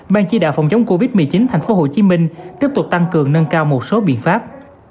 ban chỉ đạo phòng chống covid một mươi chín tp hcm tiếp tục tăng cường nâng cao một số biện pháp